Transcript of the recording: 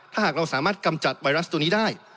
ถ้าหากเราสามารถกำจัดไวรัสตัวนี้ได้